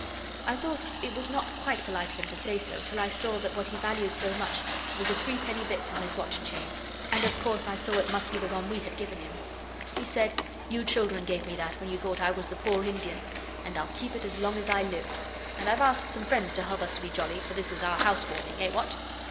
I thought it was not quite polite of him to say so, till I saw that what he valued so much was a threepenny bit on his watch chain, and, of course, I saw it must be the one we had given him. He said, 'You children gave me that when you thought I was the poor Indian, and I'll keep it as long as I live. And I've asked some friends to help us to be jolly, for this is our house warming. Eh! what?